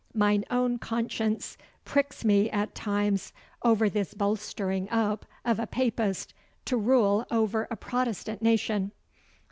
Mine own conscience pricks me at times over this bolstering up of a Papist to rule over a Protestant nation.